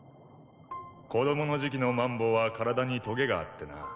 子供の時期のマンボウは体にとげがあってな。